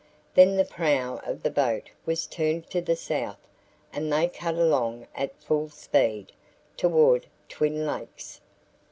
Then the prow of the boat was turned to the south and they cut along at full speed toward Twin Lakes.